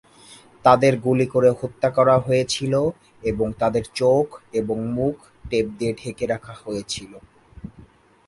তাদের গুলি করে হত্যা করা হয়েছিল এবং তাদের চোখ এবং মুখ টেপ দিয়ে ঢেকে রাখা হয়েছিল।